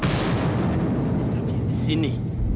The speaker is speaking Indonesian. tapi yang disini